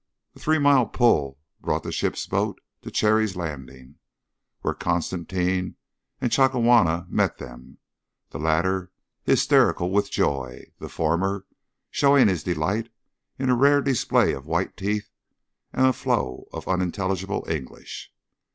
A three mile pull brought the ship's boat to Cherry's landing, where Constantine and Chakawana met them, the latter hysterical with joy, the former showing his delight in a rare display of white teeth and a flow of unintelligible English.